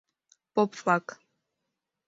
Поп-влак.